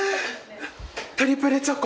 トリプルチョコ？